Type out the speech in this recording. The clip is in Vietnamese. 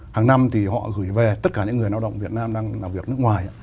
hàng năm thì họ gửi về tất cả những người lao động việt nam đang làm việc nước ngoài